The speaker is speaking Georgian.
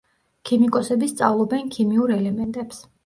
ქიმიკოსები სწავლობენ ქიმიურ ელემენტებს.